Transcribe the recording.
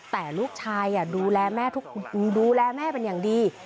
แต่ลูกชายดูแลแม่เป็นอย่างดี